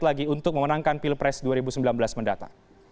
selagi untuk memenangkan pilpres dua ribu sembilan belas mendatang